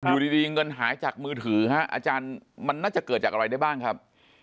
อยู่ดีเงินหายจากมือถือฮะอาจารย์มันน่าจะเกิดจากอะไรได้บ้างครับ